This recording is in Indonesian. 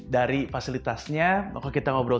dari fasilitasnya kita ngobrol